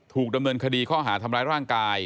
ถูกดำเนินคดีข้อหาทำร้ายร่างกาย